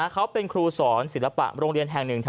เขาเป็นครูสอนศิลปะโรงเรียนแห่งหนึ่ง